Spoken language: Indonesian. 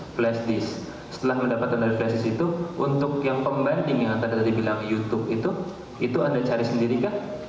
flash disk setelah mendapatkan dari flash disk itu untuk yang pembanding yang tadi bilang youtube itu itu anda cari sendiri kah